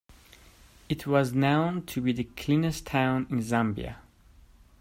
It was known to be the cleanest town in Zambia.